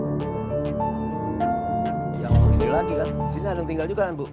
ya kalau gini lagi kan di sini ada yang tinggal juga kan bu